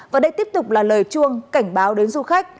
và đây tiếp tục là lời chuông cảnh báo đến du khách